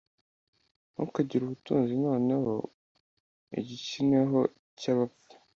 Ntukagire ubutunzi noneho, igikiniho cyabapfu,